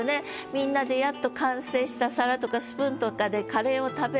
みんなでやっと完成した皿とかスプーンとかでカレーを食べる。